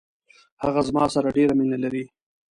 هغه زما سره ډیره مینه لري.